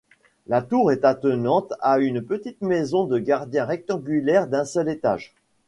La tour est attenante à une petite maison de gardiens rectangulaire d'un seul étage.